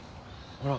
ほら。